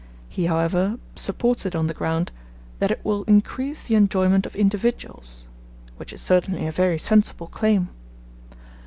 He, however, supports it on the ground 'that it will increase the enjoyment of individuals,' which is certainly a very sensible claim.